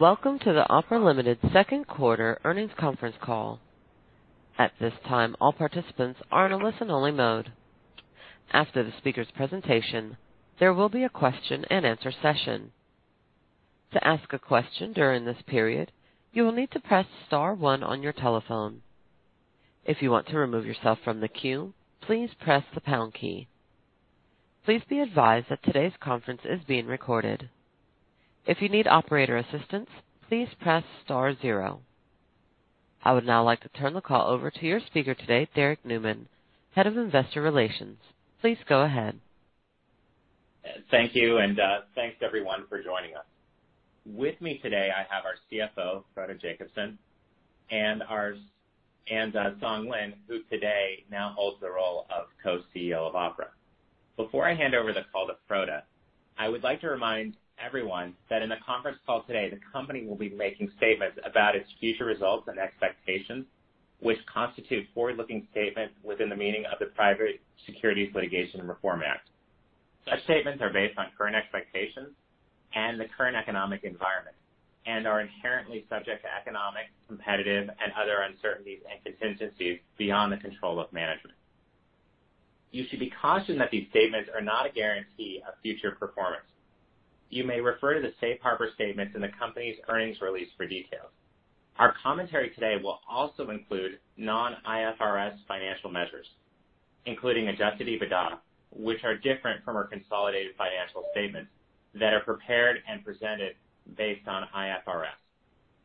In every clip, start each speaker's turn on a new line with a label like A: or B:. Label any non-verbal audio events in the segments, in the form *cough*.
A: Welcome to the Opera Limited second quarter earnings conference call. At this time, all participants are in a listen-only mode. After the speaker's presentation, there will be a question-and-answer session. To ask a question during this period, you will need to press star one on your telephone. If you want to remove yourself from the queue, please press the pound key. Please be advised that today's conference is being recorded. If you need operator assistance, please press star zero. I would now like to turn the call over to your speaker today, Derrick Nueman, Head of Investor Relations. Please go ahead.
B: Thank you, and thanks everyone for joining us. With me today, I have our CFO, Frode Jacobsen, and our Song Lin, who today now holds the role of Co-CEO of Opera. Before I hand over the call to Frode, I would like to remind everyone that in the conference call today, the company will be making statements about its future results and expectations, which constitute forward-looking statements within the meaning of the Private Securities Litigation Reform Act. Such statements are based on current expectations and the current economic environment and are inherently subject to economic, competitive, and other uncertainties and contingencies beyond the control of management. You should be cautioned that these statements are not a guarantee of future performance. You may refer to the Safe Harbor statements and the company's earnings release for details. Our commentary today will also include non-IFRS financial measures, including Adjusted EBITDA, which are different from our consolidated financial statements that are prepared and presented based on IFRS.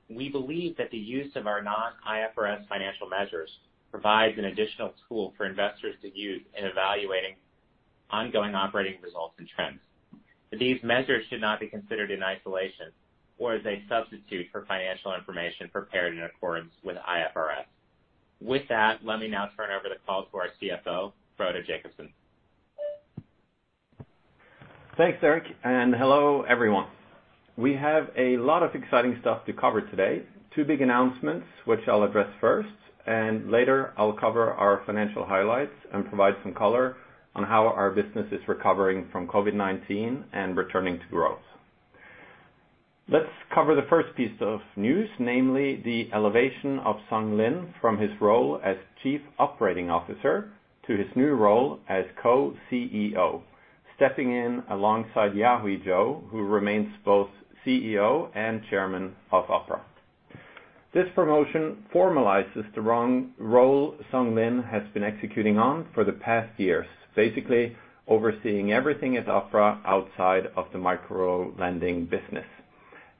B: We believe that the use of our non-IFRS financial measures provides an additional tool for investors to use in evaluating ongoing operating results and trends. These measures should not be considered in isolation or as a substitute for financial information prepared in accordance with IFRS. With that, let me now turn over the call to our CFO, Frode Jacobsen.
C: Thanks, Derrick, and hello everyone. We have a lot of exciting stuff to cover today. Two big announcements, which I'll address first, and later I'll cover our financial highlights and provide some color on how our business is recovering from COVID-19 and returning to growth. Let's cover the first piece of news, namely the elevation of Song Lin from his role as Chief Operating Officer to his new role as co-CEO, stepping in alongside Yahui Zhou, who remains both CEO and Chairman of Opera. This promotion formalizes the role Song Lin has been executing on for the past years, basically overseeing everything at Opera outside of the microlending business,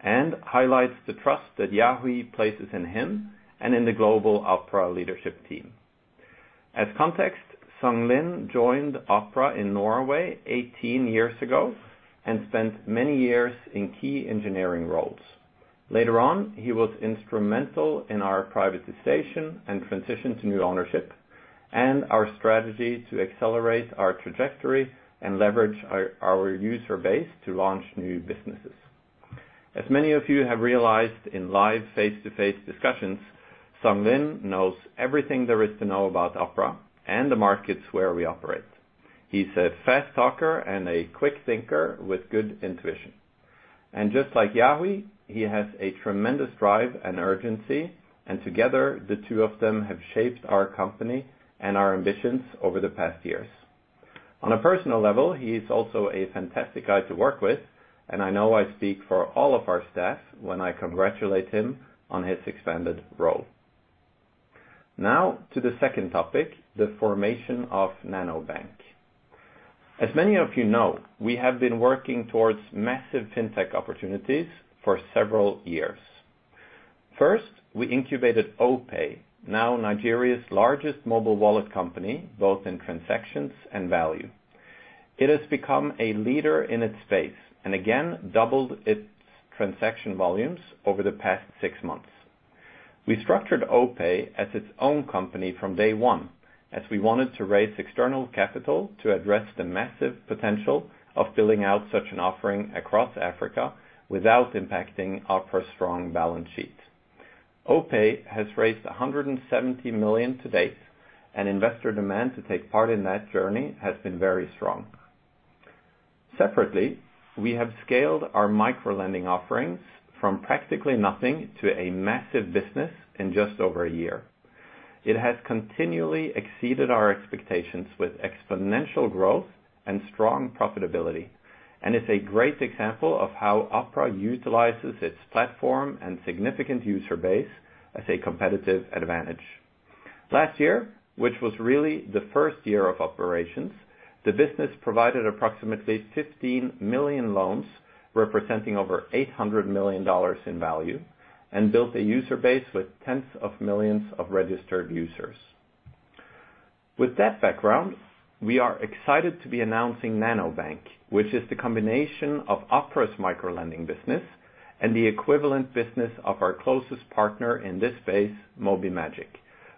C: and highlights the trust that Yahui places in him and in the global Opera leadership team. As context, Song Lin joined Opera in Norway 18 years ago and spent many years in key engineering roles. Later on, he was instrumental in our privatization and transition to new ownership and our strategy to accelerate our trajectory and leverage our user base to launch new businesses. As many of you have realized in live face-to-face discussions, Song Lin knows everything there is to know about Opera and the markets where we operate. He's a fast talker and a quick thinker with good intuition. And just like Yahui, he has a tremendous drive and urgency, and together, the two of them have shaped our company and our ambitions over the past years. On a personal level, he's also a fantastic guy to work with, and I know I speak for all of our staff when I congratulate him on his expanded role. Now to the second topic, the formation of NanoBank. As many of you know, we have been working towards massive fintech opportunities for several years. First, we incubated OPay, now Nigeria's largest mobile wallet company, both in transactions and value. It has become a leader in its space and again doubled its transaction volumes over the past six months. We structured OPay as its own company from day one as we wanted to raise external capital to address the massive potential of filling out such an offering across Africa without impacting Opera's strong balance sheet. OPay has raised $170 million to date, and investor demand to take part in that journey has been very strong. Separately, we have scaled our microlending offerings from practically nothing to a massive business in just over a year. It has continually exceeded our expectations with exponential growth and strong profitability, and it's a great example of how Opera utilizes its platform and significant user base as a competitive advantage. Last year, which was really the first year of operations, the business provided approximately 15 million loans representing over $800 million in value and built a user base with tens of millions of registered users. With that background, we are excited to be announcing NanoBank, which is the combination of Opera's microlending business and the equivalent business of our closest partner in this space, Mobimagic,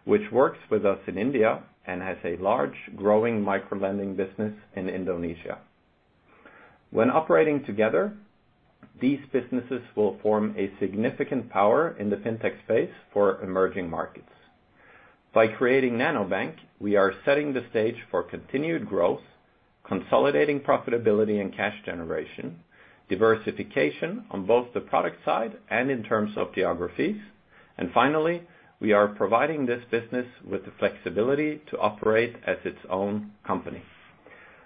C: which works with us in India and has a large growing microlending business in Indonesia. When operating together, these businesses will form a significant power in the fintech space for emerging markets. By creating NanoBank, we are setting the stage for continued growth, consolidating profitability and cash generation, diversification on both the product side and in terms of geographies, and finally, we are providing this business with the flexibility to operate as its own company.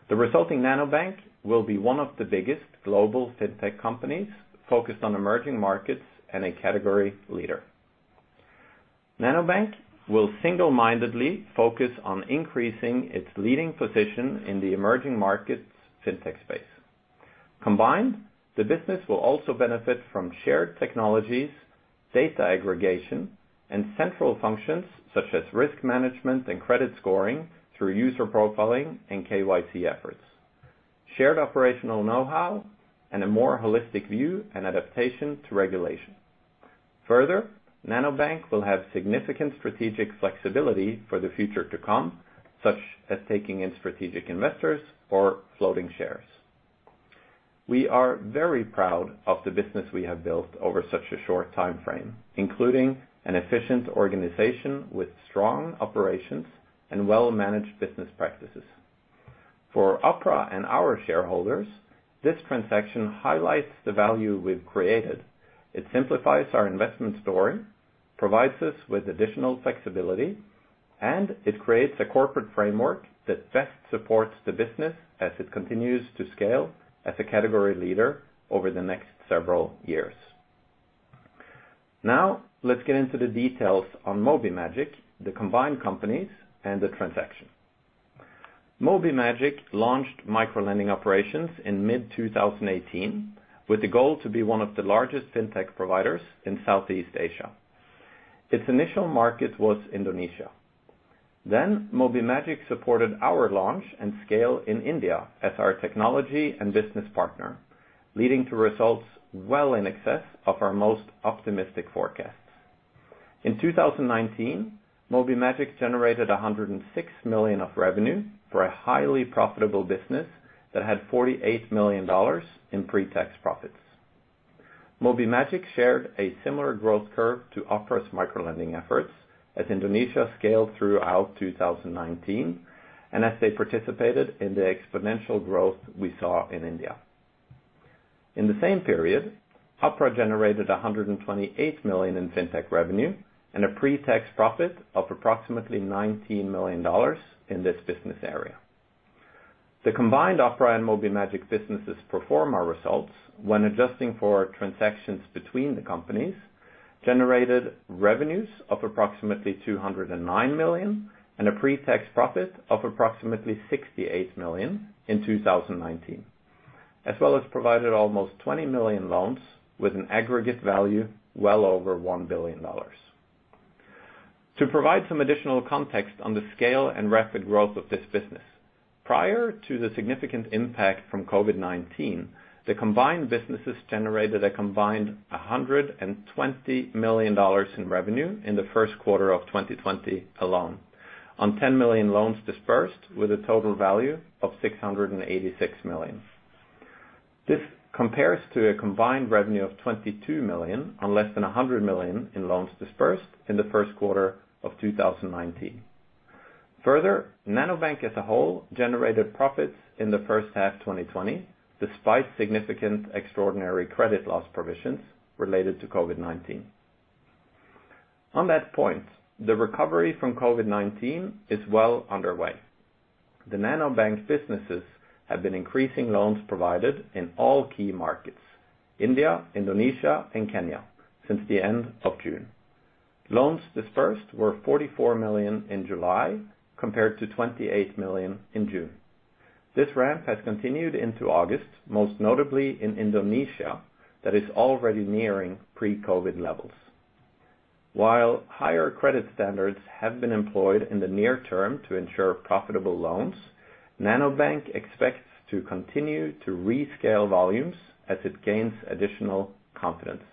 C: The resulting NanoBank will be one of the biggest global fintech companies focused on emerging markets and a category leader. NanoBank will single-mindedly focus on increasing its leading position in the emerging markets fintech space. Combined, the business will also benefit from shared technologies, data aggregation, and central functions such as risk management and credit scoring through user profiling and KYC efforts, shared operational know-how, and a more holistic view and adaptation to regulation. Further, NanoBank will have significant strategic flexibility for the future to come, such as taking in strategic investors or floating shares. We are very proud of the business we have built over such a short time frame, including an efficient organization with strong operations and well-managed business practices. For Opera and our shareholders, this transaction highlights the value we've created. It simplifies our investment story, provides us with additional flexibility, and it creates a corporate framework that best supports the business as it continues to scale as a category leader over the next several years. Now let's get into the details on Mobimagic, the combined companies, and the transaction. Mobimagic launched microlending operations in mid-2018 with the goal to be one of the largest fintech providers in Southeast Asia. Its initial market was Indonesia. Then Mobimagic supported our launch and scale in India as our technology and business partner, leading to results well in excess of our most optimistic forecasts. In 2019, Mobimagic generated $106 million of revenue for a highly profitable business that had $48 million in pre-tax profits. Mobimagic shared a similar growth curve to Opera's microlending efforts as Indonesia scaled throughout 2019 and as they participated in the exponential growth we saw in India. In the same period, Opera generated $128 million in fintech revenue and a pre-tax profit of approximately $19 million in this business area. The combined Opera and Mobimagic businesses form our results when adjusting for transactions between the companies, generated revenues of approximately $209 million and a pre-tax profit of approximately $68 million in 2019, as well as provided almost 20 million loans with an aggregate value well over $1 billion. To provide some additional context on the scale and rapid growth of this business, prior to the significant impact from COVID-19, the combined businesses generated a combined $120 million in revenue in the first quarter of 2020 alone on 10 million loans dispersed with a total value of $686 million. This compares to a combined revenue of $22 million on less than $100 million in loans dispersed in the first quarter of 2019. Further, NanoBank as a whole generated profits in the first half of 2020 despite significant extraordinary credit loss provisions related to COVID-19. On that point, the recovery from COVID-19 is well underway. The NanoBank businesses have been increasing loans provided in all key markets, India, Indonesia, and Kenya, since the end of June. Loans dispersed were 44 million in July compared to 28 million in June. This ramp has continued into August, most notably in Indonesia that is already nearing pre-COVID levels. While higher credit standards have been employed in the near term to ensure profitable loans, NanoBank expects to continue to rescale volumes as it gains additional confidence.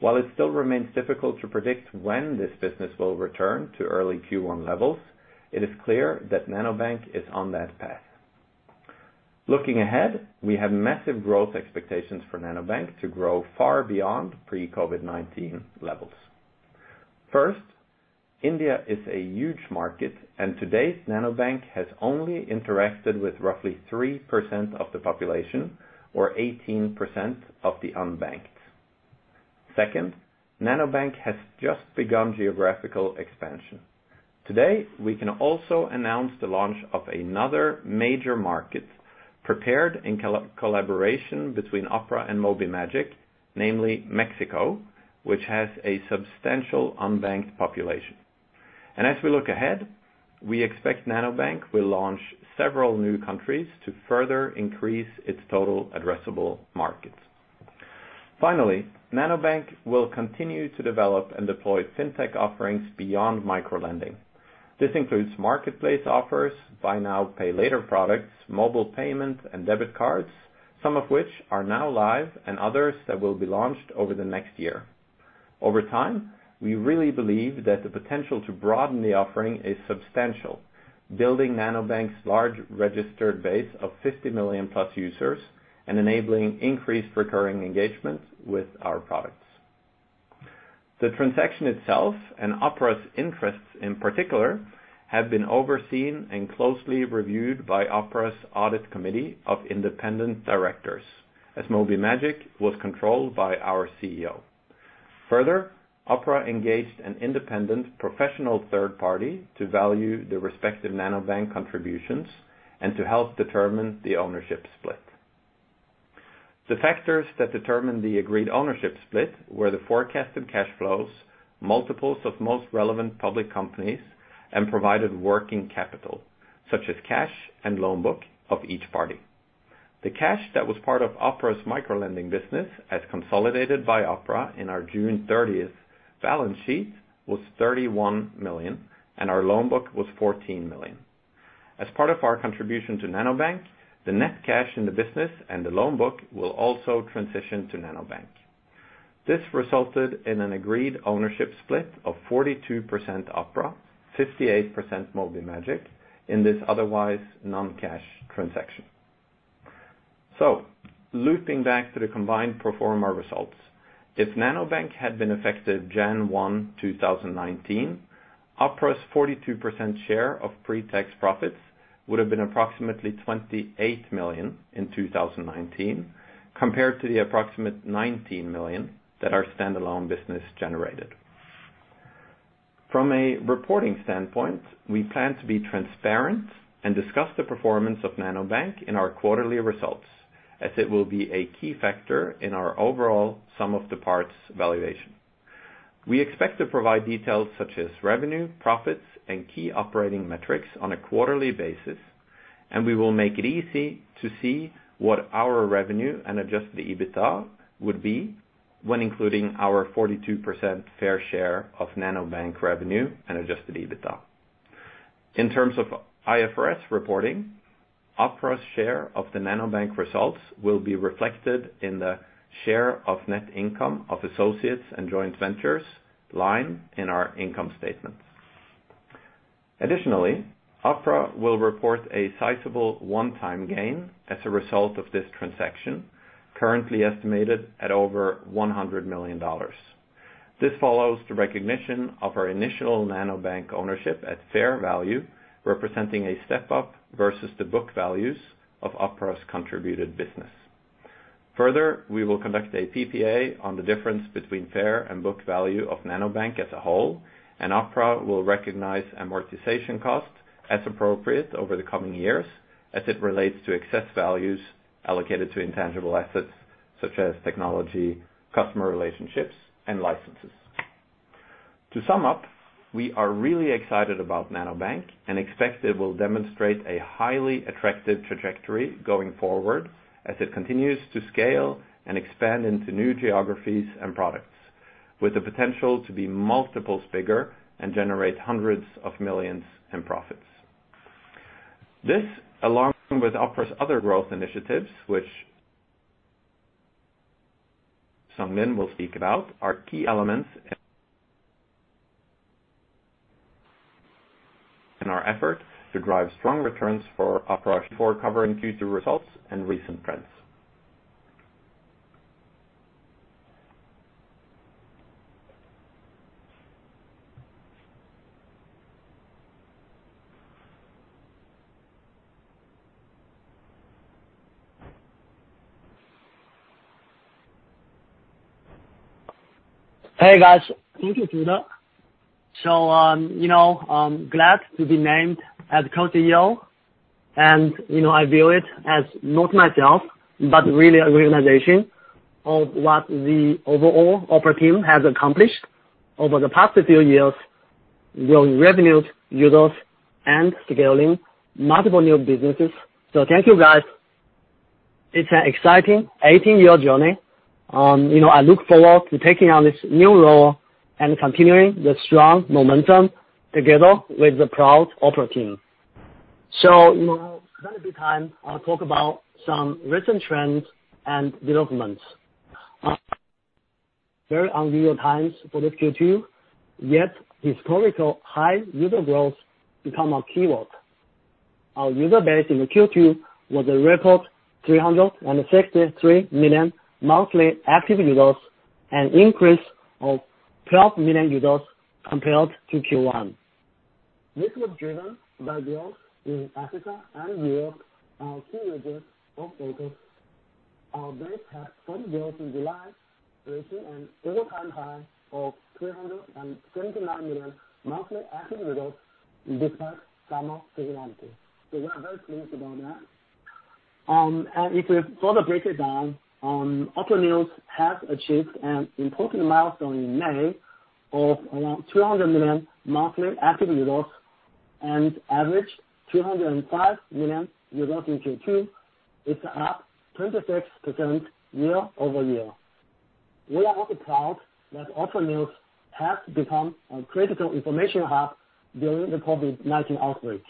C: While it still remains difficult to predict when this business will return to early Q1 levels, it is clear that NanoBank is on that path. Looking ahead, we have massive growth expectations for NanoBank to grow far beyond pre-COVID-19 levels. First, India is a huge market, and today NanoBank has only interacted with roughly 3% of the population or 18% of the unbanked. Second, NanoBank has just begun geographical expansion. Today, we can also announce the launch of another major market prepared in collaboration between Opera and Mobimagic, namely Mexico, which has a substantial unbanked population, and as we look ahead, we expect NanoBank will launch several new countries to further increase its total addressable markets. Finally, NanoBank will continue to develop and deploy fintech offerings beyond microlending. This includes marketplace offers, buy now, pay later products, mobile payment, and debit cards, some of which are now live and others that will be launched over the next year. Over time, we really believe that the potential to broaden the offering is substantial, building NanoBank's large registered base of 50 million plus users and enabling increased recurring engagement with our products. The transaction itself and Opera's interests in particular have been overseen and closely reviewed by Opera's audit committee of independent directors, as Mobimagic was controlled by our CEO. Further, Opera engaged an independent professional third party to value the respective NanoBank contributions and to help determine the ownership split. The factors that determined the agreed ownership split were the forecasted cash flows, multiples of most relevant public companies, and provided working capital, such as cash and loan book of each party. The cash that was part of Opera's microlending business as consolidated by Opera in our June 30th balance sheet was $31 million, and our loan book was $14 million. As part of our contribution to NanoBank, the net cash in the business and the loan book will also transition to NanoBank. This resulted in an agreed ownership split of 42% Opera, 58% Mobimagic in this otherwise non-cash transaction. Looping back to the combined performance results, if NanoBank had been effective January 1, 2019, Opera's 42% share of pre-tax profits would have been approximately $28 million in 2019 compared to the approximate $19 million that our standalone business generated. From a reporting standpoint, we plan to be transparent and discuss the performance of NanoBank in our quarterly results as it will be a key factor in our overall sum of the parts valuation. We expect to provide details such as revenue, profits, and key operating metrics on a quarterly basis, and we will make it easy to see what our revenue and adjusted EBITDA would be when including our 42% fair share of NanoBank revenue and adjusted EBITDA. In terms of IFRS reporting, Opera's share of the NanoBank results will be reflected in the share of net income of associates and joint ventures line in our income statements. Additionally, Opera will report a sizable one-time gain as a result of this transaction, currently estimated at over $100 million. This follows the recognition of our initial NanoBank ownership at fair value, representing a step up versus the book values of Opera's contributed business. Further, we will conduct a PPA on the difference between fair and book value of NanoBank as a whole, and Opera will recognize amortization costs as appropriate over the coming years as it relates to excess values allocated to intangible assets such as technology, customer relationships, and licenses. To sum up, we are really excited about NanoBank and expect it will demonstrate a highly attractive trajectory going forward as it continues to scale and expand into new geographies and products, with the potential to be multiples bigger and generate hundreds of millions in profits. This, along with Opera's other growth initiatives, which *inaudible* Song Lin will speak about, are key elements in *inaudible* our effort to drive strong returns for Opera. For covering Q2 results and recent trends.
D: Hey, guys. Thank you, Frode. So, you know, I'm glad to be named as Co-CEO, and you know I view it as not myself, but really a realization of what the overall Opera team has accomplished over the past few years with revenues, users, and scaling multiple new businesses. So thank you, guys. It's an exciting 18-year journey. You know I look forward to taking on this new role and continuing the strong momentum together with the proud Opera team. So now it's going to be time to talk about some recent trends and developments. Very unusual times for this Q2, yet historically high user growth became a key word. Our user base in the Q2 was a record 363 million monthly active users and an increase of 12 million users compared to Q1. This was driven by growth in Africa and Europe, our key areas of focus. Our base had some growth in July, reaching an all-time high of 379 million monthly active users despite summer turbulence. So we are very pleased about that. And if we further break it down, Opera News has achieved an important milestone in May of around 200 million monthly active users and averaged 205 million users in Q2. It's up 26% year-over-year. We are also proud that Opera News has become a critical information hub during the COVID-19 outbreak.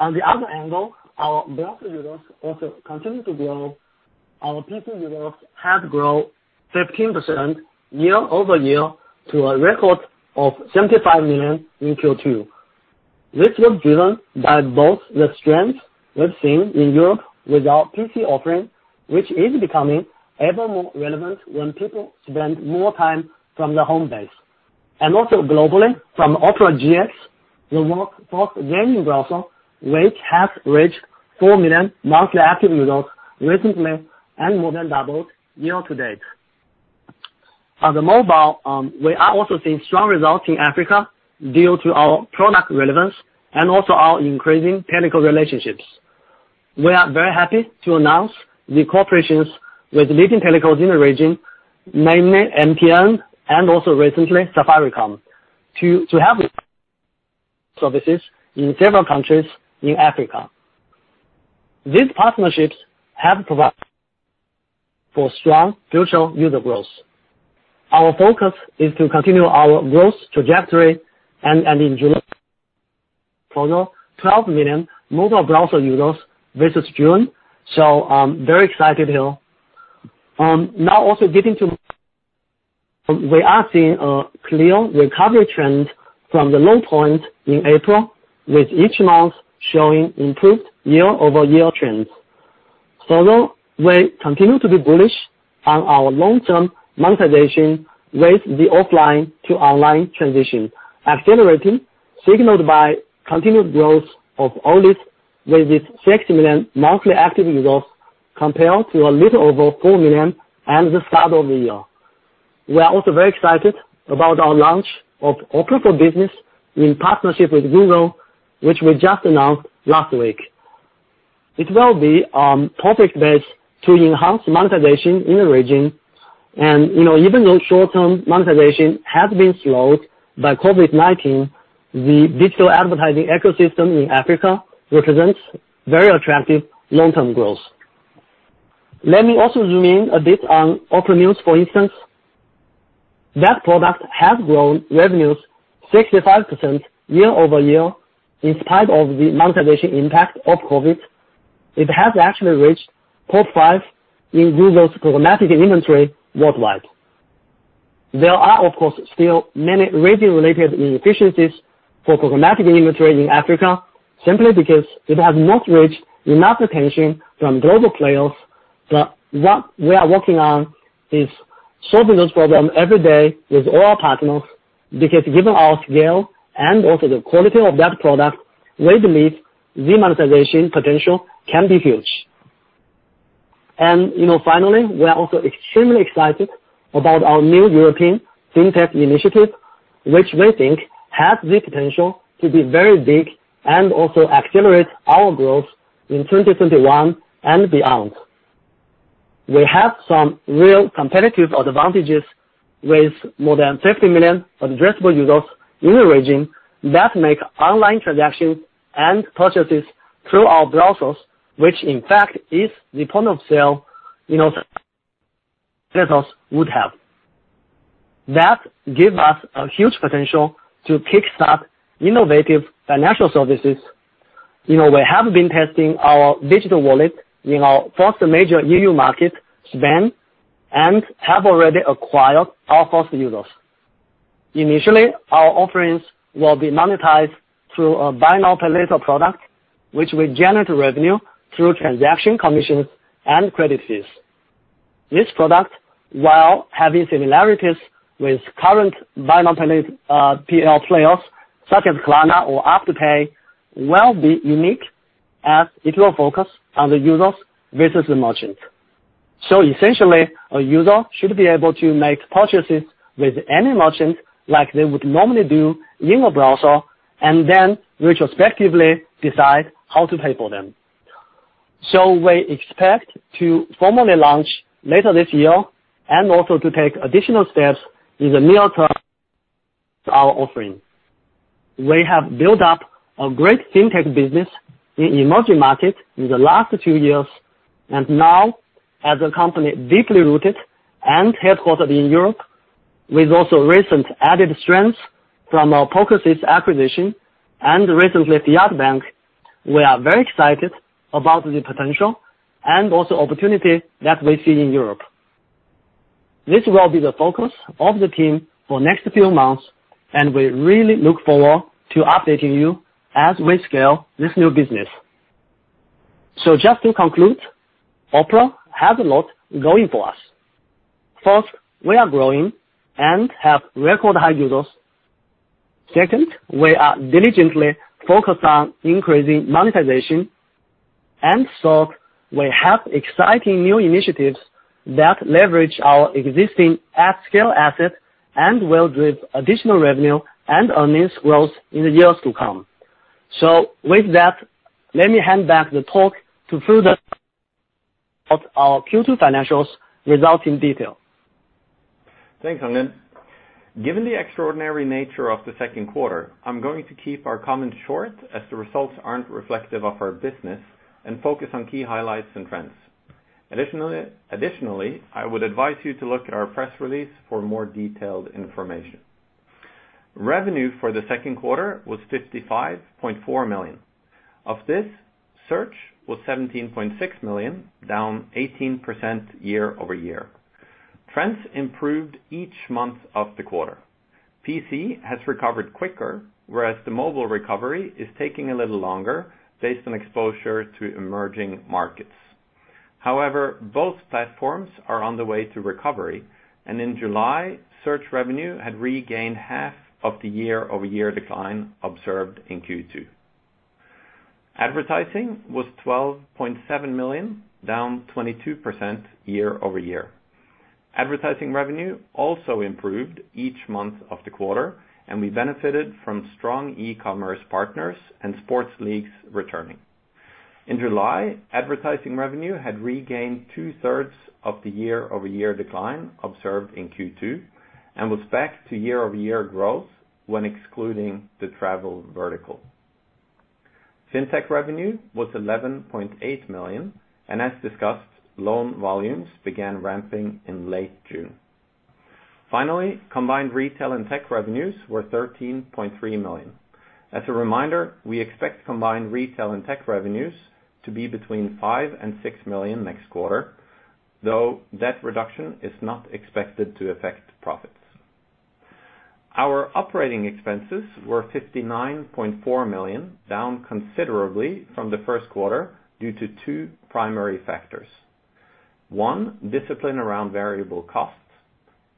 D: On the other hand, though, our browser users also continue to grow. Our PC users have grown 15% year-over-year to a record of 75 million in Q2. This was driven by both the strength we've seen in Europe with our PC offering, which is becoming ever more relevant when people spend more time from their home base. Also globally, from Opera GX, the gaming growth, which has reached four million monthly active users recently and more than doubled year to date. On the mobile, we are also seeing strong results in Africa due to our product relevance and also our increasing telco relationships. We are very happy to announce the cooperations with leading telcos in the region, namely MTN and also recently Safaricom, to have services in several countries in Africa. These partnerships have provided for strong future user growth. Our focus is to continue our growth trajectory and end in July for the 12 million mobile browser users versus June. I'm very excited here. Now also getting to, we are seeing a clear recovery trend from the low point in April, with each month showing improved year-over-year trends. So though, we continue to be bullish on our long-term monetization with the offline to online transition, accelerating signaled by continued growth of OList with its 60 million monthly active users compared to a little over four million at the start of the year. We are also very excited about our launch of Opera for Business in partnership with Google, which we just announced last week. It will be a perfect base to enhance monetization in the region. And you know, even though short-term monetization has been slowed by COVID-19, the digital advertising ecosystem in Africa represents very attractive long-term growth. Let me also zoom in a bit on Opera News, for instance. That product has grown revenues 65% year over year in spite of the monetization impact of COVID. It has actually reached top five in Google's programmatic inventory worldwide. There are, of course, still many revenue-related inefficiencies for programmatic inventory in Africa, simply because it has not reached enough attention from global players, but what we are working on is solving this problem every day with all our partners, because given our scale and also the quality of that product, we believe the monetization potential can be huge, and you know, finally, we are also extremely excited about our new European fintech initiative, which we think has the potential to be very big and also accelerate our growth in 2021 and beyond. We have some real competitive advantages with more than 50 million addressable users in the region that make online transactions and purchases through our browsers, which in fact is the point of sale you know vendors would have. That gives us a huge potential to kickstart innovative financial services. You know, we have been testing our digital wallet in our first major EU market, Spain, and have already acquired our first users. Initially, our offerings will be monetized through a buy now, pay later product, which will generate revenue through transaction commissions and credit fees. This product, while having similarities with current buy now, pay later players such as Klarna or Afterpay, will be unique as it will focus on the users versus the merchant. So essentially, a user should be able to make purchases with any merchant like they would normally do in a browser and then retrospectively decide how to pay for them. So we expect to formally launch later this year and also to take additional steps in the near term with our offering. We have built up a great fintech business in emerging markets in the last two years, and now, as a company deeply rooted and headquartered in Europe, with also recent added strengths from our Pocosys acquisition and recently Fjord Bank, we are very excited about the potential and also opportunity that we see in Europe. This will be the focus of the team for the next few months, and we really look forward to updating you as we scale this new business. So just to conclude, Opera has a lot going for us. First, we are growing and have record high users. Second, we are diligently focused on increasing monetization, and third, we have exciting new initiatives that leverage our existing at-scale asset and will drive additional revenue and earnings growth in the years to come. So with that, let me hand back the talk to Frode *inaudible* about our Q2 financials results in detail.
C: Thanks, Song Lin. Given the extraordinary nature of the second quarter, I'm going to keep our comments short as the results aren't reflective of our business and focus on key highlights and trends. Additionally, I would advise you to look at our press release for more detailed information. Revenue for the second quarter was $55.4 million. Of this, search was $17.6 million, down 18% year over year. Trends improved each month of the quarter. PC has recovered quicker, whereas the mobile recovery is taking a little longer based on exposure to emerging markets. However, both platforms are on the way to recovery, and in July, search revenue had regained half of the year-over-year decline observed in Q2. Advertising was $12.7 million, down 22% year over year. Advertising revenue also improved each month of the quarter, and we benefited from strong e-commerce partners and sports leagues returning. In July, advertising revenue had regained two-thirds of the year-over-year decline observed in Q2 and was back to year-over-year growth when excluding the travel vertical. Fintech revenue was $11.8 million, and as discussed, loan volumes began ramping in late June. Finally, combined retail and tech revenues were $13.3 million. As a reminder, we expect combined retail and tech revenues to be between $5 million and $6 million next quarter, though that reduction is not expected to affect profits. Our operating expenses were $59.4 million, down considerably from the first quarter due to two primary factors. One, discipline around variable costs,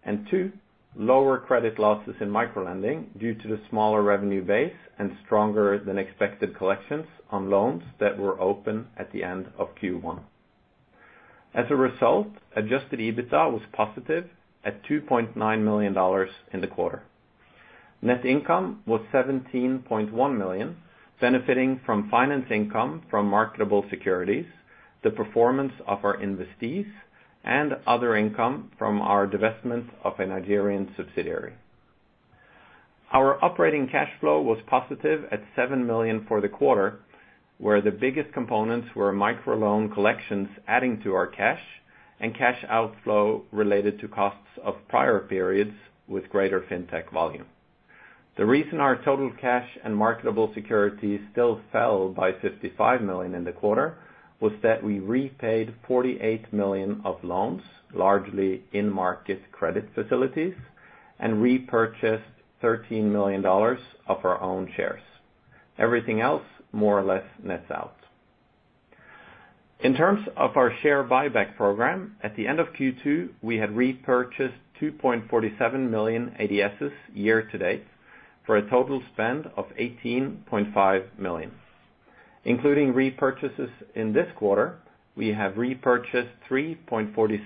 C: and two, lower credit losses in microlending due to the smaller revenue base and stronger than expected collections on loans that were open at the end of Q1. As a result, Adjusted EBITDA was positive at $2.9 million in the quarter. Net income was $17.1 million, benefiting from finance income from marketable securities, the performance of our investees, and other income from our divestment of a Nigerian subsidiary. Our operating cash flow was positive at $7 million for the quarter, where the biggest components were microloan collections adding to our cash and cash outflow related to costs of prior periods with greater fintech volume. The reason our total cash and marketable securities still fell by $55 million in the quarter was that we repaid $48 million of loans, largely in-market credit facilities, and repurchased $13 million of our own shares. Everything else more or less nets out. In terms of our share buyback program, at the end of Q2, we had repurchased 2.47 million ADSs year to date for a total spend of $18.5 million. Including repurchases in this quarter, we have repurchased 3.46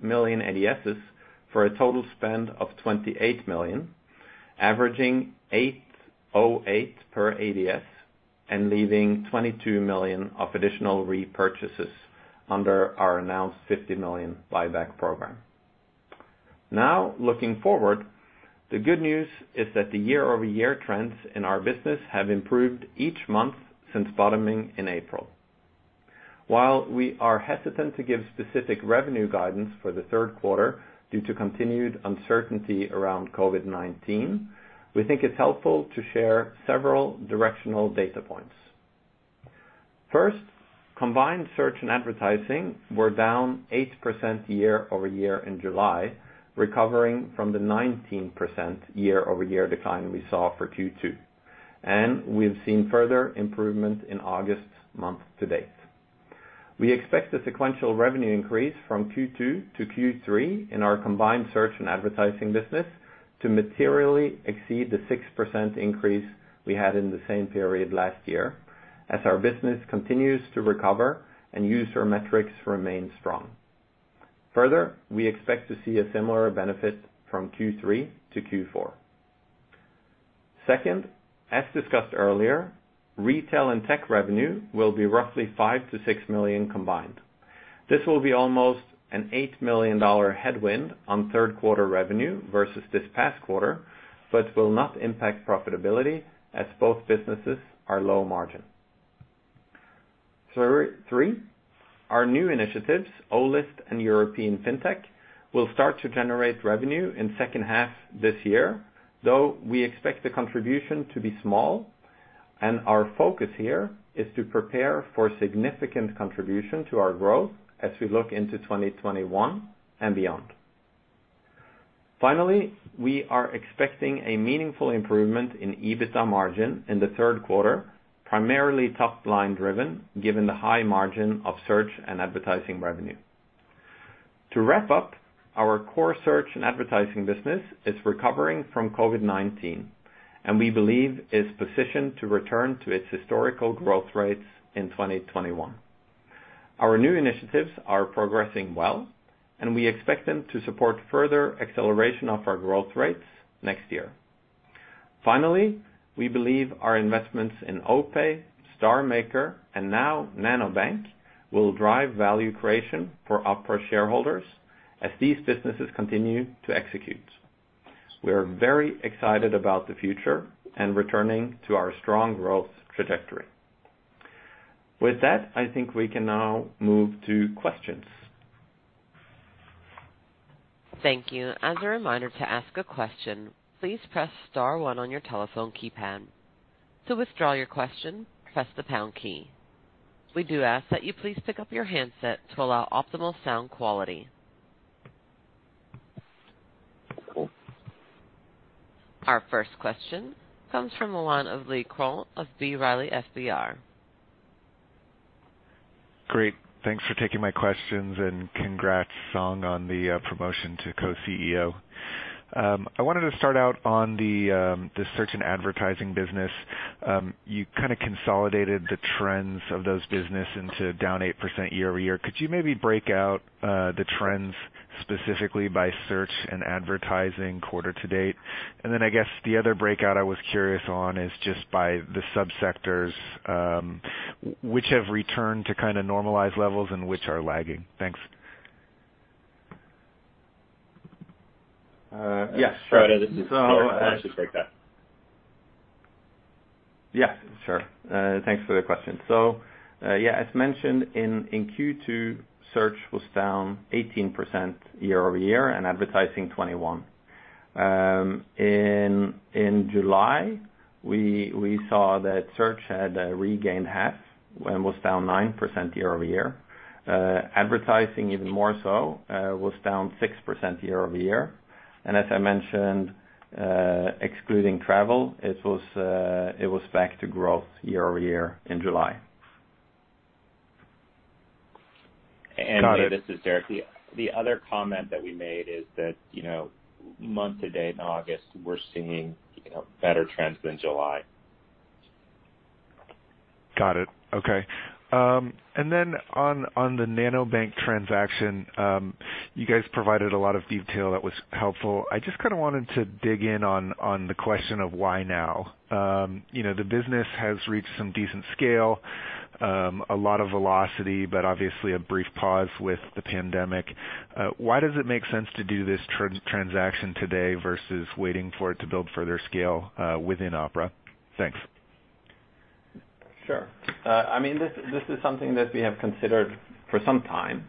C: million ADSs for a total spend of $28 million, averaging $8.08 per ADS and leaving $22 million of additional repurchases under our announced $50 million buyback program. Now, looking forward, the good news is that the year-over-year trends in our business have improved each month since bottoming in April. While we are hesitant to give specific revenue guidance for the third quarter due to continued uncertainty around COVID-19, we think it's helpful to share several directional data points. First, combined search and advertising were down 8% year over year in July, recovering from the 19% year-over-year decline we saw for Q2, and we've seen further improvement in August month to date. We expect a sequential revenue increase from Q2 to Q3 in our combined search and advertising business to materially exceed the 6% increase we had in the same period last year as our business continues to recover and user metrics remain strong. Further, we expect to see a similar benefit from Q3 to Q4. Second, as discussed earlier, retail and tech revenue will be roughly 5-6 million combined. This will be almost an $8 million headwind on third quarter revenue versus this past quarter, but will not impact profitability as both businesses are low margin. Three, our new initiatives, OList and European fintech, will start to generate revenue in the second half this year, though we expect the contribution to be small, and our focus here is to prepare for significant contribution to our growth as we look into 2021 and beyond. Finally, we are expecting a meaningful improvement in EBITDA margin in the third quarter, primarily top-line driven given the high margin of search and advertising revenue. To wrap up, our core search and advertising business is recovering from COVID-19, and we believe is positioned to return to its historical growth rates in 2021. Our new initiatives are progressing well, and we expect them to support further acceleration of our growth rates next year. Finally, we believe our investments in OPay, StarMaker, and now NanoBank will drive value creation for Opera shareholders as these businesses continue to execute. We are very excited about the future and returning to our strong growth trajectory. With that, I think we can now move to questions.
A: Thank you. As a reminder to ask a question, please press star one on your telephone keypad. To withdraw your question, press the pound key. We do ask that you please pick up your handset to allow optimal sound quality. Our first question comes from Lee Krowl of B. Riley FBR.
E: Great. Thanks for taking my questions and congrats, Song, on the promotion to co-CEO. I wanted to start out on the search and advertising business. You kind of consolidated the trends of those businesses into down 8% year over year. Could you maybe break out the trends specifically by search and advertising quarter to date? And then I guess the other breakout I was curious on is just by the subsectors, which have returned to kind of normalized levels and which are lagging? Thanks.
C: Yes, Frode, this is Frode.
B: I'll actually take that.
C: Yeah, sure. Thanks for the question. So yeah, as mentioned in Q2, search was down 18% year over year and advertising 21%. In July, we saw that search had regained half and was down 9% year over year. Advertising, even more so, was down 6% year over year. And as I mentioned, excluding travel, it was back to growth year over year in July.
B: And this is Derrick. The other comment that we made is that month to date in August, we're seeing better trends than July.
E: Got it. Okay. And then on the NanoBank transaction, you guys provided a lot of detail that was helpful. I just kind of wanted to dig in on the question of why now. The business has reached some decent scale, a lot of velocity, but obviously a brief pause with the pandemic. Why does it make sense to do this transaction today versus waiting for it to build further scale within Opera? Thanks.
C: Sure. I mean, this is something that we have considered for some time.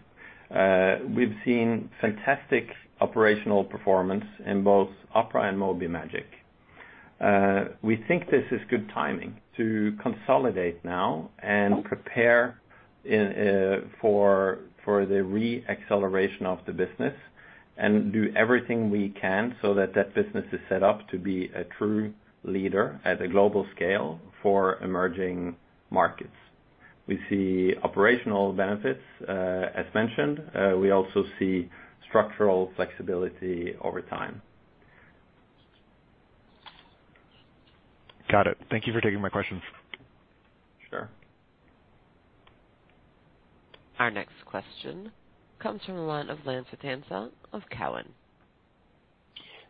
C: We've seen fantastic operational performance in both Opera and Mobimagic. We think this is good timing to consolidate now and prepare for the re-acceleration of the business and do everything we can so that that business is set up to be a true leader at a global scale for emerging markets. We see operational benefits, as mentioned. We also see structural flexibility over time.
E: Got it. Thank you for taking my questions.
C: Sure.
A: Our next question comes from Lance Vitanza of Cowen.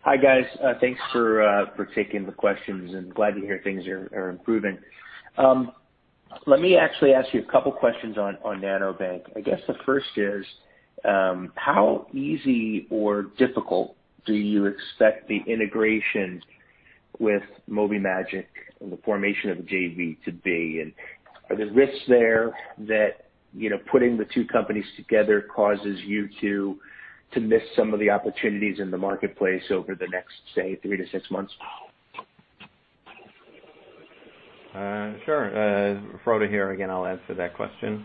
F: Hi, guys. Thanks for taking the questions. I'm glad to hear things are improving. Let me actually ask you a couple of questions on NanoBank. I guess the first is, how easy or difficult do you expect the integration with Mobimagic and the formation of JV to be? Are there risks there that putting the two companies together causes you to miss some of the opportunities in the marketplace over the next, say, three to six months?
C: Sure. Frode here. Again, I'll answer that question.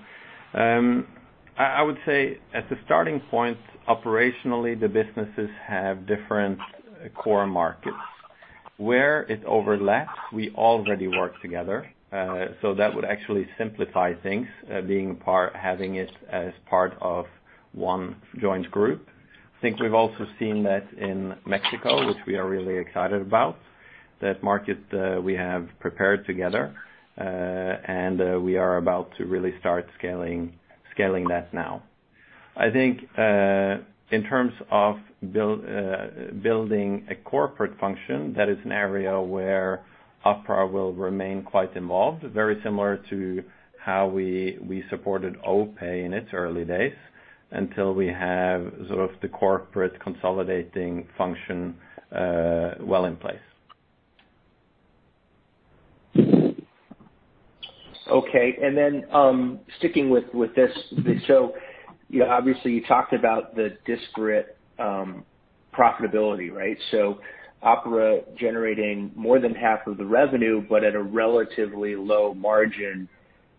C: I would say at the starting point, operationally, the businesses have different core markets. Where it overlaps, we already work together. So that would actually simplify things being part, having it as part of one joint group. I think we've also seen that in Mexico, which we are really excited about, that market we have prepared together, and we are about to really start scaling that now. I think in terms of building a corporate function, that is an area where Opera will remain quite involved, very similar to how we supported OPay in its early days until we have sort of the corporate consolidating function well in place.
F: Okay. And then sticking with this, so obviously you talked about the disparate profitability, right? So Opera generating more than half of the revenue, but at a relatively low margin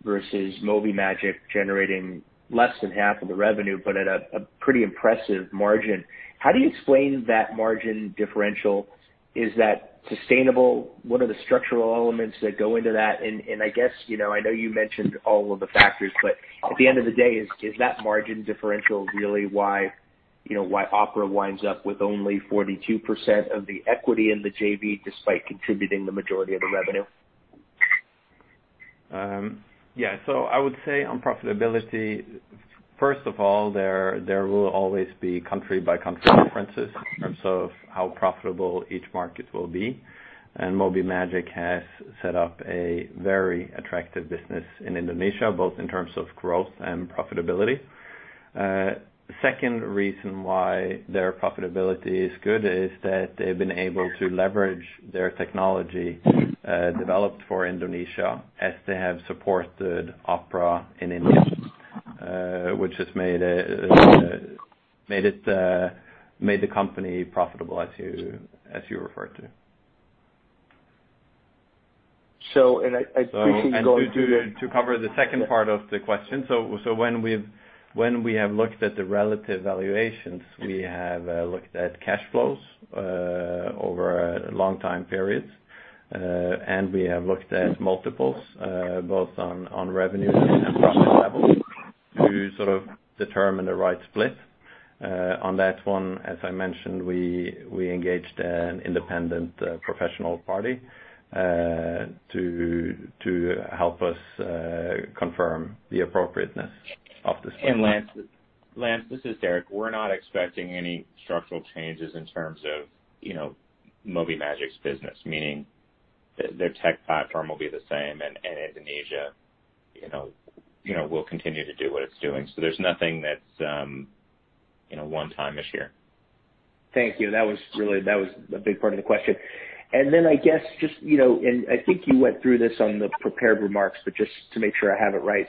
F: versus Mobimagic generating less than half of the revenue, but at a pretty impressive margin. How do you explain that margin differential? Is that sustainable? What are the structural elements that go into that? And I guess I know you mentioned all of the factors, but at the end of the day, is that margin differential really why Opera winds up with only 42% of the equity in the JV despite contributing the majority of the revenue?
C: Yeah. So I would say on profitability, first of all, there will always be country-by-country differences in terms of how profitable each market will be. And Mobimagic has set up a very attractive business in Indonesia, both in terms of growth and profitability. Second reason why their profitability is good is that they've been able to leverage their technology developed for Indonesia as they have supported Opera in India, which has made the company profitable, as you referred to. So I think you're going to cover the second part of the question. So when we have looked at the relative valuations, we have looked at cash flows over long time periods, and we have looked at multiples, both on revenue and profit levels, to sort of determine the right split. On that one, as I mentioned, we engaged an independent professional party to help us confirm the appropriateness of the split.
B: And Lance, this is Derrick. We're not expecting any structural changes in terms of Mobimagic's business, meaning their tech platform will be the same and Indonesia will continue to do what it's doing. There's nothing that's one-time this year.
F: Thank you. That was really a big part of the question, and then I guess just, and I think you went through this on the prepared remarks, but just to make sure I have it right.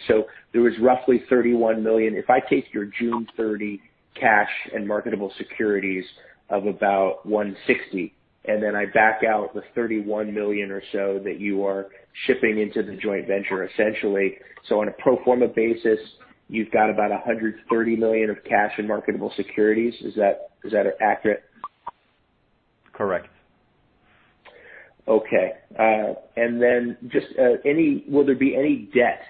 F: There was roughly $31 million. If I take your June 30 cash and marketable securities of about $160 million, and then I back out the $31 million or so that you are shipping into the joint venture, essentially. On a pro forma basis, you've got about $130 million of cash and marketable securities. Is that accurate?
C: Correct.
F: Okay. Will there be any debt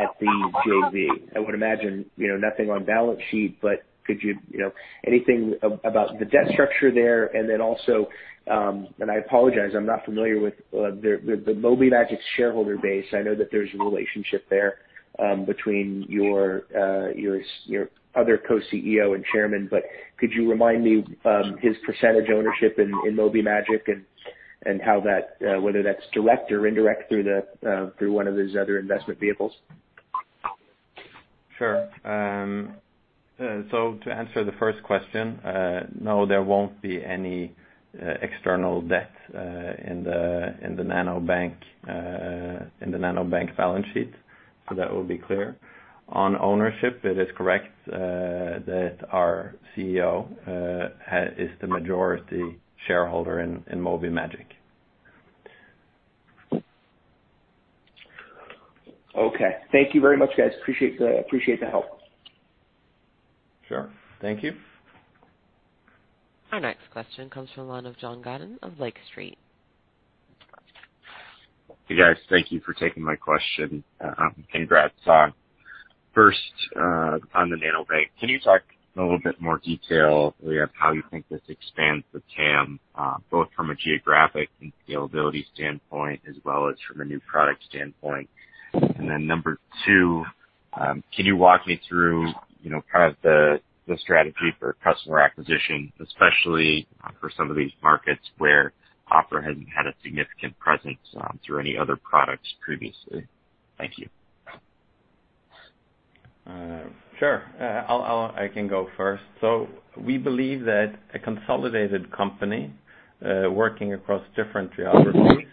F: at the JV? I would imagine nothing on balance sheet, but could you say anything about the debt structure there? Also, I apologize. I'm not familiar with the Mobimagic shareholder base. I know that there's a relationship there between your other co-CEO and chairman, but could you remind me his percentage ownership in Mobimagic and how that, whether that's direct or indirect through one of his other investment vehicles?
C: Sure. So to answer the first question, no, there won't be any external debt in the NanoBank balance sheet. So that will be clear. On ownership, it is correct that our CEO is the majority shareholder in Mobimagic.
F: Okay. Thank you very much, guys. Appreciate the help.
C: Sure. Thank you.
A: Our next question comes from John Godin of Lake Street.
G: Hey, guys. Thank you for taking my question. Congrats on first on the NanoBank. Can you talk in a little bit more detail really of how you think this expands the TAM, both from a geographic and scalability standpoint, as well as from a new product standpoint? And then number two, can you walk me through kind of the strategy for customer acquisition, especially for some of these markets where Opera hasn't had a significant presence through any other products previously? Thank you.
C: Sure. I can go first. So we believe that a consolidated company working across different geographies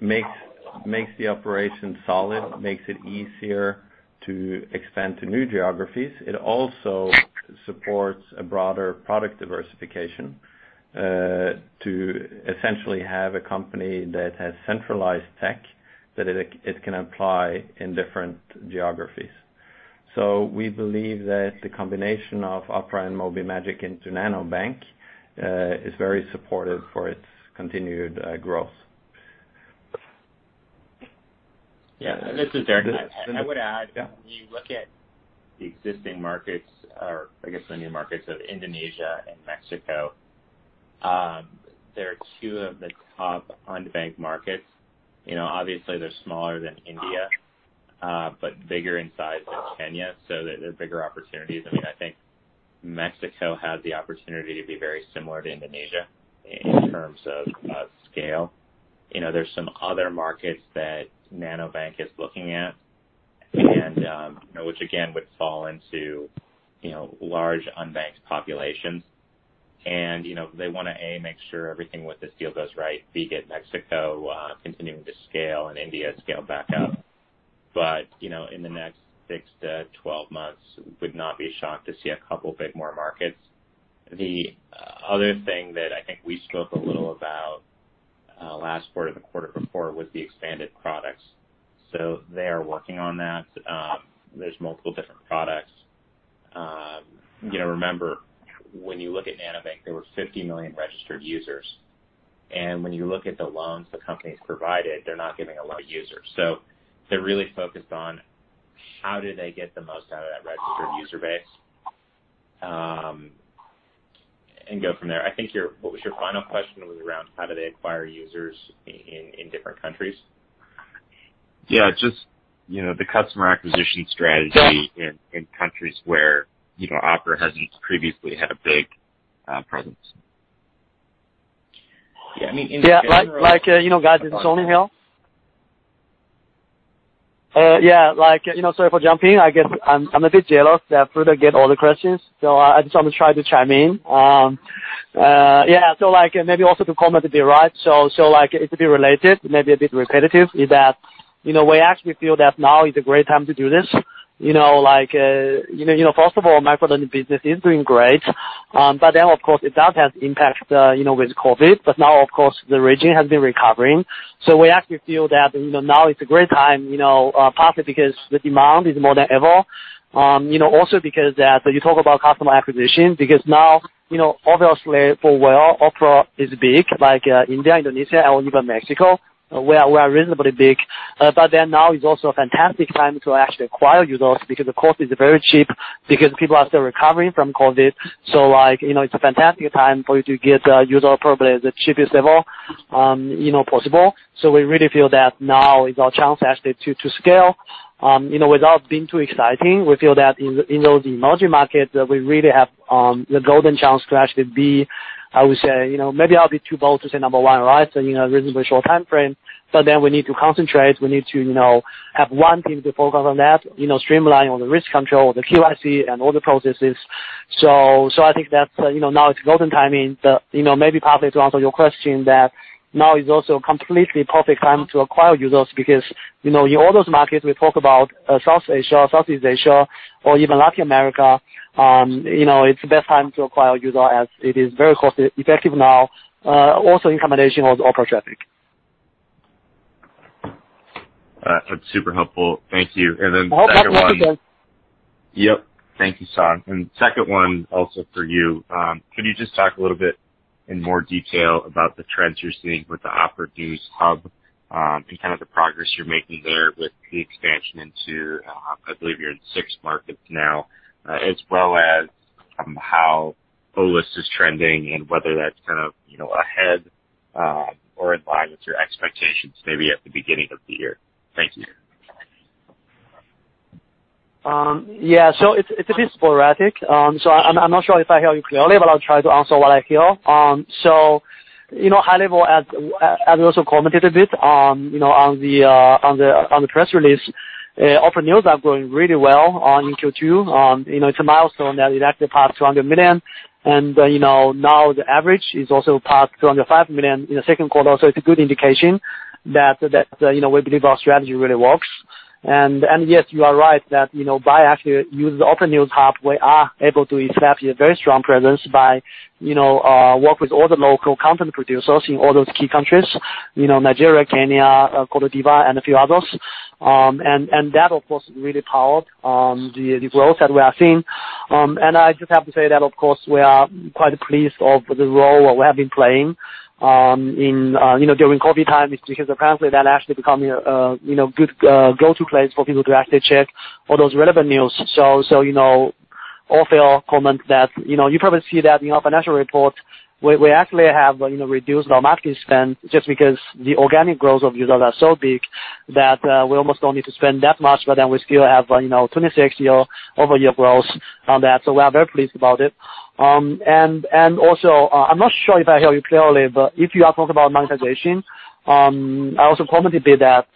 C: makes the operation solid, makes it easier to expand to new geographies. It also supports a broader product diversification to essentially have a company that has centralized tech that it can apply in different geographies. So we believe that the combination of Opera and Mobimagic into NanoBank is very supportive for its continued growth.
B: Yeah. This is Derrick. I would add, when you look at the existing markets, or I guess the new markets of Indonesia and Mexico, they're two of the top on-demand markets. Obviously, they're smaller than India, but bigger in size than Kenya. So they're bigger opportunities. I mean, I think Mexico has the opportunity to be very similar to Indonesia in terms of scale. There's some other markets that NanoBank is looking at, which again would fall into large unbanked populations. And they want to, A, make sure everything with this deal goes right, B, get Mexico continuing to scale, and India scale back up. But in the next six to 12 months, would not be shocked to see a couple of big more markets. The other thing that I think we spoke a little about last quarter and the quarter before was the expanded products. So they are working on that. There's multiple different products. Remember, when you look at NanoBank, there were 50 million registered users. And when you look at the loans the company's provided, they're not giving a lot of users. So they're really focused on how do they get the most out of that registered user base and go from there. I think what was your final question was around how do they acquire users in different countries? Yeah. Just the customer acquisition strategy in countries where Opera hasn't previously had a big presence.
D: Yeah. I mean, in general. Yeah. Like guys in Southeast Asia. Yeah. Sorry for jumping. I guess I'm a bit jealous that Frode gets all the questions. So I just want to try to chime in. Yeah. So maybe also to comment to be brief. So it's a bit related, maybe a bit repetitive, is that we actually feel that now is a great time to do this. First of all, microlending business is doing great. But then, of course, it does have impact with COVID. But now, of course, the region has been recovering. So we actually feel that now is a great time, partly because the demand is more than ever. Also because you talk about customer acquisition, because now, obviously, for where Opera is big, like India, Indonesia, or even Mexico, we are reasonably big. But then now is also a fantastic time to actually acquire users because the cost is very cheap, because people are still recovering from COVID. So it's a fantastic time for you to get user acquisition at the cheapest level possible. So we really feel that now is our chance actually to scale without being too expensive. We feel that in those emerging markets, we really have the golden chance to actually be, I would say, maybe I'll be too bold to say number one, right, in a reasonably short time frame. But then we need to concentrate. We need to have one team to focus on that, streamline all the risk control, the KYC, and all the processes, so I think that now is golden timing. Maybe partly to answer your question that now is also a completely perfect time to acquire users because in all those markets, we talk about South Asia, Southeast Asia, or even Latin America, it's the best time to acquire users as it is very cost-effective now, also in combination with Opera traffic.
G: That's super helpful. Thank you. And then second one.
D: I hope that's okay.
G: Yep. Thank you, Song. And second one also for you. Could you just talk a little bit in more detail about the trends you're seeing with the Opera News Hub and kind of the progress you're making there with the expansion into, I believe you're in six markets now, as well as how OList is trending and whether that's kind of ahead or in line with your expectations maybe at the beginning of the year? Thank you.
D: Yeah, so it's a bit sporadic. So I'm not sure if I hear you clearly, but I'll try to answer what I hear. So, high level, as we also commented a bit on the press release, Opera News are growing really well in Q2. It's a milestone that it actually passed 200 million. And now the average is also past 205 million in the second quarter. So it's a good indication that we believe our strategy really works. Yes, you are right that by actually using the Opera News Hub, we are able to establish a very strong presence by working with all the local content producers in all those key countries, Nigeria, Kenya, Côte d'Ivoire, and a few others. That, of course, really powered the growth that we are seeing. I just have to say that, of course, we are quite pleased with the role we have been playing during COVID times because apparently that actually becomes a good go-to place for people to actually check all those relevant news. To also comment, you probably see that in our financial report, we actually have reduced our marketing spend just because the organic growth of users is so big that we almost do not need to spend that much, but then we still have 26% year-over-year growth on that. So we are very pleased about it. And also, I'm not sure if I hear you clearly, but if you are talking about monetization, I also commented a bit that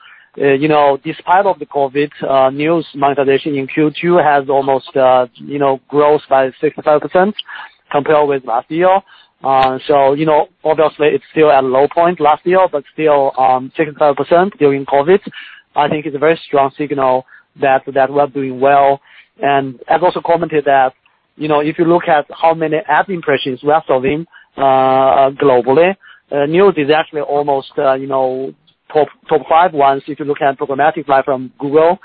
D: despite of the COVID news, monetization in Q2 has almost growth by 65% compared with last year. So obviously, it's still at a low point last year, but still 65% during COVID. I think it's a very strong signal that we are doing well. And I've also commented that if you look at how many ad impressions we are solving globally, News is actually almost top five ones if you look at programmatic platform Google.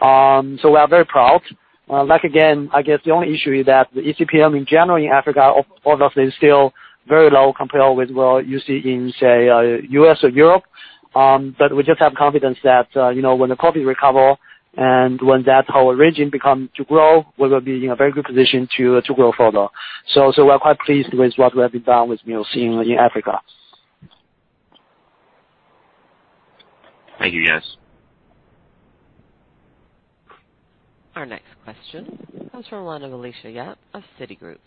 D: So we are very proud. Again, I guess the only issue is that the eCPM in general in Africa, obviously, is still very low compared with what you see in, say, U.S. or Europe. But we just have confidence that when the COVID recovers and when that whole region begins to grow, we will be in a very good position to grow further. So we are quite pleased with what we have done with News in Africa.
G: Thank you, guys.
A: Our next question comes from the line of Alicia Yap of Citigroup.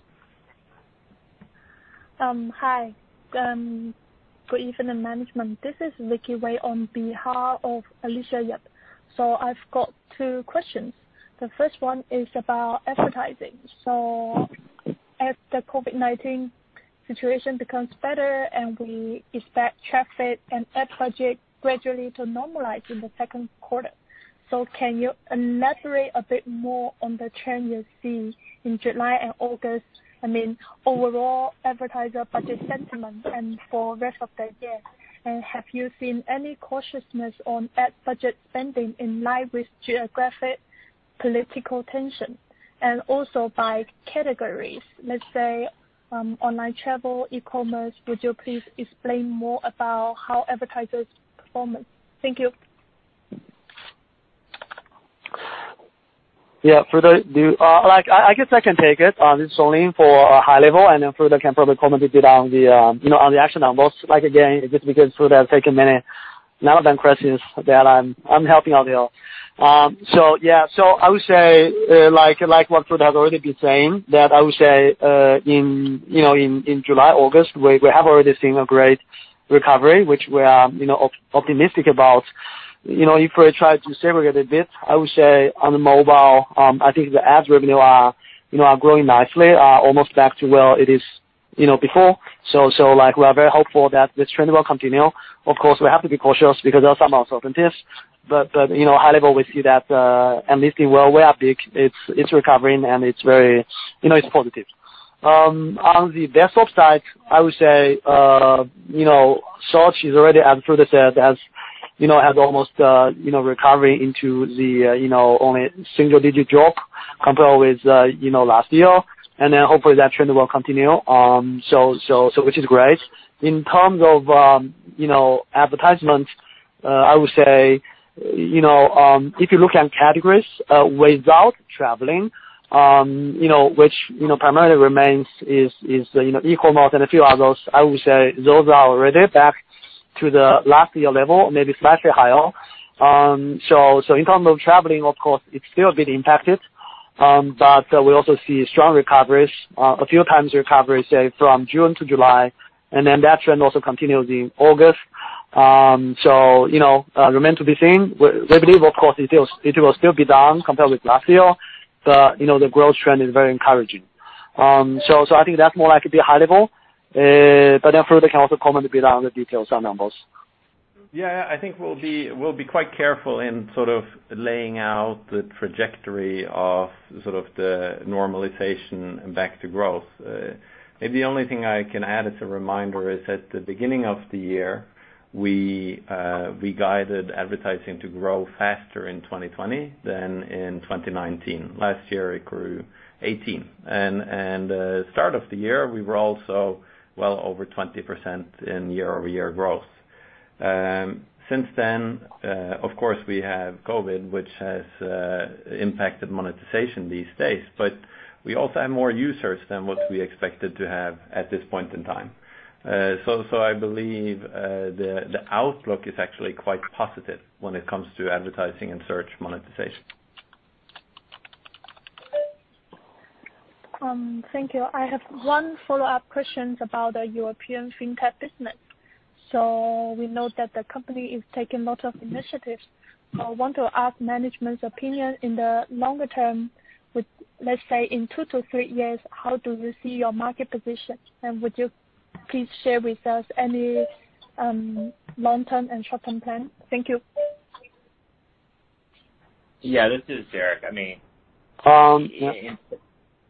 H: Hi. Good evening, management. This is Vicky Wei on behalf of Alicia Yap. So I've got two questions. The first one is about advertising. So as the COVID-19 situation becomes better and we expect traffic and ad budget gradually to normalize in the second quarter, so can you elaborate a bit more on the trend you see in July and August? I mean, overall advertiser budget sentiment and for the rest of the year. And have you seen any cautiousness on ad budget spending in line with geopolitical tension? And also by categories, let's say online travel, e-commerce, would you please explain more about how advertisers perform? Thank you.
D: Yeah. Frode, I guess I can take it. This is only for high level. And then Frode can probably comment a bit on the actual numbers. Again, just because Frode has taken many NanoBank questions, I'm helping out here. So yeah. So I would say, like what Frode has already been saying, that I would say in July, August, we have already seen a great recovery, which we are optimistic about. If we try to segregate a bit, I would say on the mobile, I think the ad revenues are growing nicely, almost back to where it is before. So we are very hopeful that this trend will continue. Of course, we have to be cautious because there are some uncertainties. But high level, we see that at least in where we are big, it's recovering and it's very positive. On the desktop side, I would say search is already, as Frode said, has almost recovered into the only single-digit drop compared with last year. And then hopefully that trend will continue, which is great. In terms of advertisements, I would say if you look at categories without traveling, which primarily remains is e-commerce and a few others, I would say those are already back to the last year level, maybe slightly higher. So in terms of traveling, of course, it's still a bit impacted. But we also see strong recoveries, a few times recoveries, say, from June to July. And then that trend also continues in August. So remain to be seen. We believe, of course, it will still be down compared with last year, but the growth trend is very encouraging. So I think that's more like a bit high level. But then Frode can also comment a bit on the details and numbers.
C: Yeah. I think we'll be quite careful in sort of laying out the trajectory of sort of the normalization and back to growth. Maybe the only thing I can add as a reminder is at the beginning of the year, we guided advertising to grow faster in 2020 than in 2019. Last year, it grew 18%. And start of the year, we were also well over 20% in year-over-year growth. Since then, of course, we have COVID, which has impacted monetization these days. But we also have more users than what we expected to have at this point in time. So I believe the outlook is actually quite positive when it comes to advertising and search monetization.
H: Thank you. I have one follow-up question about the European fintech business. So we know that the company is taking lots of initiatives. I want to ask management's opinion in the longer term, let's say in two to three years, how do you see your market position? And would you please share with us any long-term and short-term plan? Thank you.
B: Yeah. This is Derrick. I mean,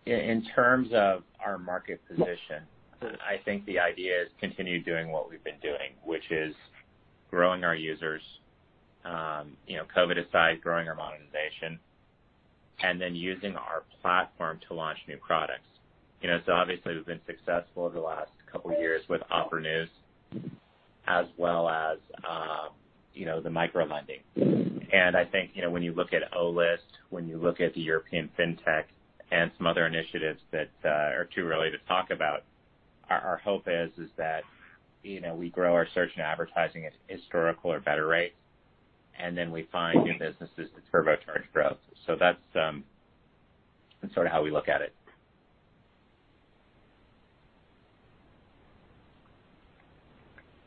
B: in terms of our market position, I think the idea is continue doing what we've been doing, which is growing our users, COVID aside, growing our monetization, and then using our platform to launch new products. So obviously, we've been successful over the last couple of years with Opera News as well as the microlending. I think when you look at OList, when you look at the European fintech and some other initiatives that are too early to talk about, our hope is that we grow our search and advertising at historical or better rates, and then we find new businesses that serve our target growth. So that's sort of how we look at it.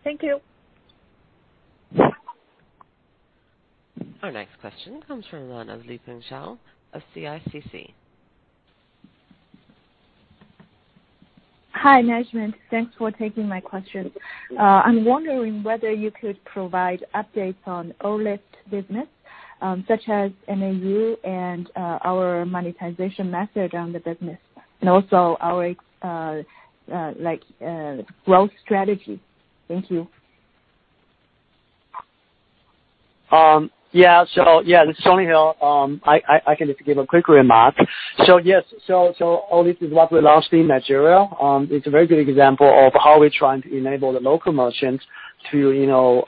H: Thank you.
A: Our next question comes from Fengxiao Li of CICC.
I: Hi, management. Thanks for taking my questions. I'm wondering whether you could provide updates on OList business, such as MAU and our monetization method on the business, and also our growth strategy. Thank you.
D: Yeah. So yeah, this is Song Lin. I can just give a quick remark. So yes, so OList is what we launched in Nigeria. It's a very good example of how we're trying to enable the local merchants to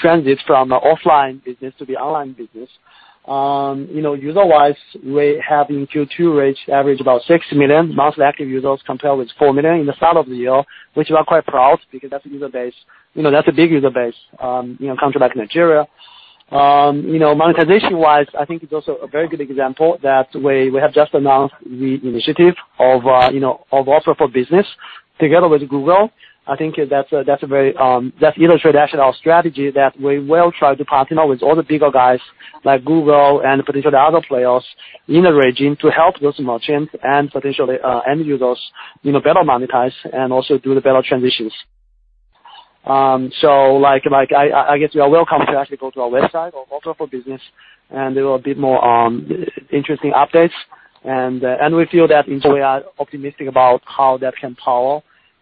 D: transit from offline business to the online business. User-wise, we have in Q2 reached average about six million monthly active users compared with four million in the start of the year, which we are quite proud because that's a user base. That's a big user base in a country like Nigeria. Monetization-wise, I think it's also a very good example that we have just announced the initiative of Opera for Business together with Google. I think that's illustrates actually our strategy that we will try to partner with all the bigger guys like Google and potentially other players in the region to help those merchants and potentially end users better monetize and also do the better transitions. So I guess you are welcome to actually go to our website of Opera for Business, and there will be more interesting updates, and we feel that we are optimistic about how that can power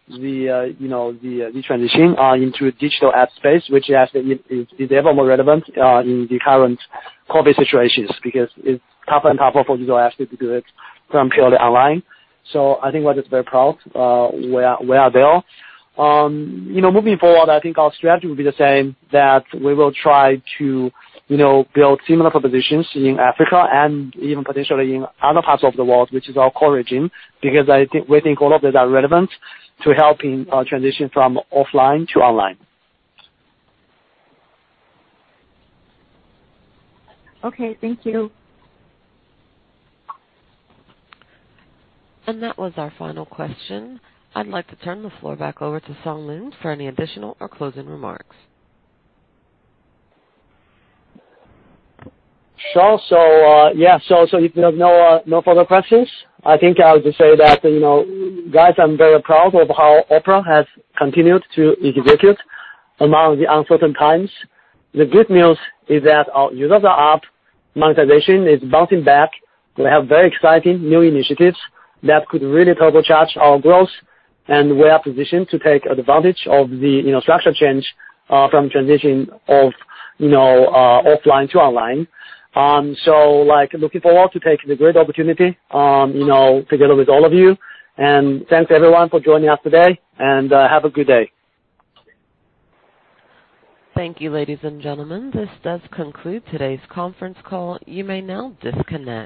D: the transition into a digital ad space, which is actually enabled more relevant in the current COVID situations because it's tougher and tougher for users actually to do it from purely online, so I think we're just very proud where we are there. Moving forward, I think our strategy will be the same that we will try to build similar propositions in Africa and even potentially in other parts of the world, which is our core region, because we think all of these are relevant to helping our transition from offline to online.
I: Okay. Thank you,
A: And that was our final question. I'd like to turn the floor back over to Song Lin for any additional or closing remarks.
D: Sure. So yeah. So if there's no further questions, I think I'll just say that, guys, I'm very proud of how Opera has continued to execute among the uncertain times. The good news is that our users are up. Monetization is bouncing back. We have very exciting new initiatives that could really turbocharge our growth and we are positioned to take advantage of the structure change from transition of offline to online. So looking forward to taking the great opportunity together with all of you. And thanks, everyone, for joining us today. And have a good day.
A: Thank you, ladies and gentlemen. This does conclude today's conference call. You may now disconnect.